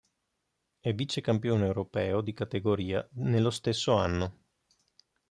È vicecampione europeo di categoria nello stesso anno.